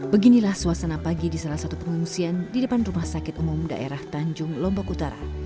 beginilah suasana pagi di salah satu pengungsian di depan rumah sakit umum daerah tanjung lombok utara